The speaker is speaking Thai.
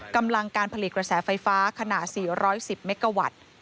กำลังการผลิตกระแสไฟฟ้าขนาด๔๑๐เมกาวัตต์